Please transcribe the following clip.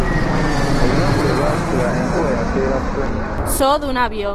Olunaku lwe baasitula, enkuba yakeera kutonnya.